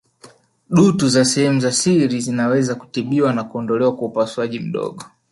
Dutu za sehemu za siri zinaweza kutibiwa na kuondolewa kwa upasuaji mdogo